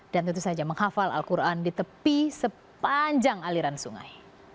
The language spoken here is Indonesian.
dan tentu saja menghafal al quran di tepi sepanjang aliran sungai